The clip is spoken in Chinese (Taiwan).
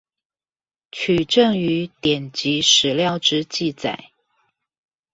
取證於典籍史料之記載